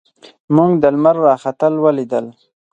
موږ د لمر راختل ولیدل.